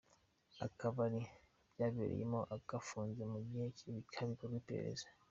Akabari byabereyemo kafunzwe mu gihe hagikorwa iperereza.